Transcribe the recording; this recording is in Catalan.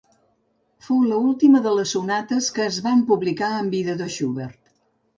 Fou l'última de les sonates que es van publicar en vida de Schubert.